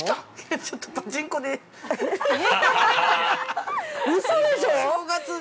◆ちょっとパチンコで。